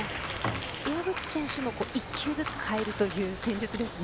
岩渕選手も１球ずつ変えるという戦術ですね。